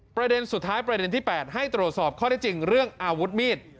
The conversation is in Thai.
ประเด็นสุดท้ายประเด็นที่๘ให้ตรวจสอบข้อได้จริงเรื่องอาวุธมีด